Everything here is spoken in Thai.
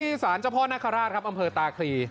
สารเจ้าพ่อนคราชครับอำเภอตาคลี